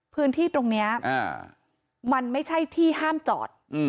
พื้นที่ตรงนี้มันไม่ใช่ที่ห้ามจอด